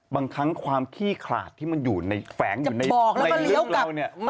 บางครั้งความขี้ขลาดที่มันอยู่ในแฝงอยู่ในบอกแล้วก็เลี้ยวกลับ